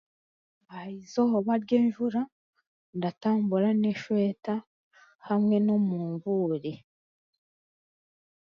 Aha eizooba ry'enjura, ndatambura n'esweta hamwe n'omunvuuri